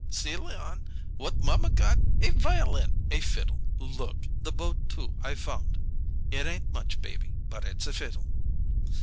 "See, Leon what mamma got! A violin! A fiddle! Look! The bow, too, I found. It ain't much, baby, but it's a fiddle."